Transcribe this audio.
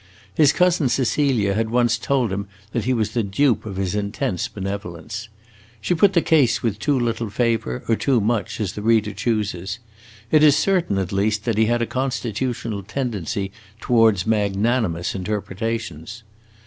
His cousin Cecilia had once told him that he was the dupe of his intense benevolence. She put the case with too little favor, or too much, as the reader chooses; it is certain, at least, that he had a constitutional tendency towards magnanimous interpretations.